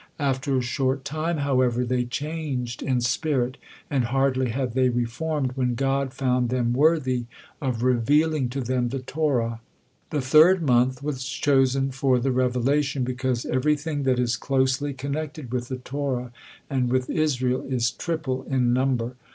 After a short time, however, they changed in spirit; and hardly had they reformed, when God found them worthy of revealing to them the Torah. The third month was chosen for the revelation, because everything that is closely connected with the Torah and with Israel is triple in number.